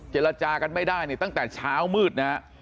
เจรจากันไม่ได้เนี่ยตั้งแต่เช้ามืดนะฮะ